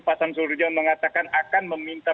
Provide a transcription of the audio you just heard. pak samsul rejo mengatakan akan meminta